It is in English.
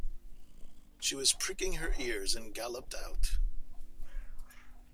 She was pricking her ears and galloped out.